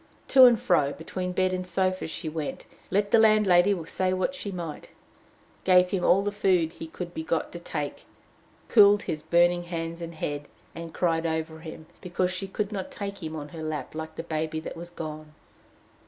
To and fro between bed and sofa she crept, let the landlady say what she might, gave him all the food he could be got to take, cooled his burning hands and head, and cried over him because she could not take him on her lap like the baby that was gone.